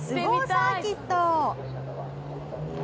サーキット。